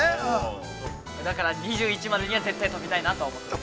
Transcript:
◆だから、２１までには、絶対飛びたいなと思います。